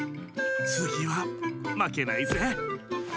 つぎはまけないぜ！